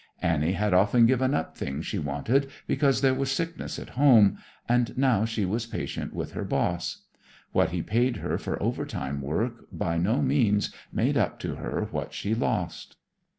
Annie had often given up things she wanted because there was sickness at home, and now she was patient with her boss. What he paid her for overtime work by no means made up to her what she lost.